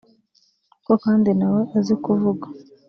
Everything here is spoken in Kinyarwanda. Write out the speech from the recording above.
ko kandi nawe azi kuvuga